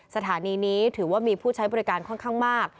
สถานีนี้ถือว่ามีผู้ใช้บริการค่อนข้างมาก